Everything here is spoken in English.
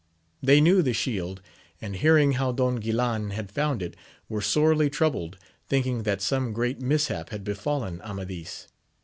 They knew the shield, and hearing how Don Guilan had found it, were sorely troubled, thinking that some great mishap had befallen Amadis.